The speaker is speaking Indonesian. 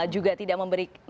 juga tidak memberikan